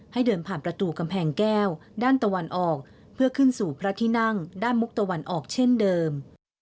ให้เดินผ่านประตูกำแพงแก้วด้านตะวันออกเพื่อขึ้นสู่พระที่นั่งด้านมุกตะวันออกเช่นเดิม